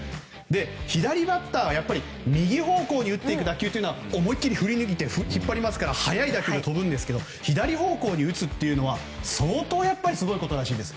左バッターが右方向に打っていく打球は思い切り振りぬいて引っ張りますから速い打球が飛びますが左方向に打つのは相当すごいです。